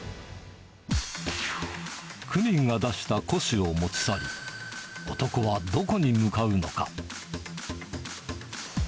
区民が出した古紙を持ち去り、男はどこに向かうのか。